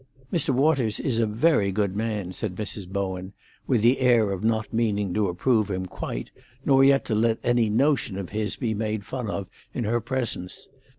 "Mr. Waters is a very good man," said Mrs. Bowen, with the air of not meaning to approve him quite, nor yet to let any notion of his be made fun of in her presence.